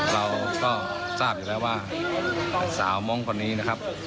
เราก็ทราบอยู่แล้วว่าสาวม้องคนนี้นะครับ